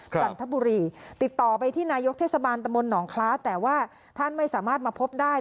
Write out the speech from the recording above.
จันทบุรีติดต่อไปที่นายกเทศบาลตะมนตหนองคล้าแต่ว่าท่านไม่สามารถมาพบได้